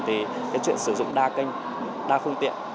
thì cái chuyện sử dụng đa kênh đa phương tiện